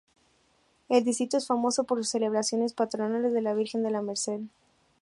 El distrito es famoso por sus celebraciones patronales de la Virgen de la Merced.